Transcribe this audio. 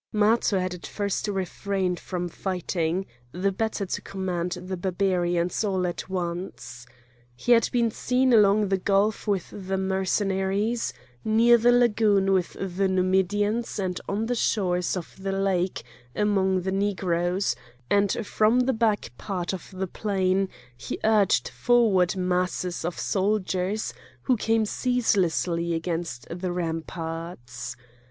Matho had at first refrained from fighting, the better to command the Barbarians all at once. He had been seen along the gulf with the Mercenaries, near the lagoon with the Numidians, and on the shores of the lake among the Negroes, and from the back part of the plain he urged forward masses of soldiers who came ceaselessly against the ramparts.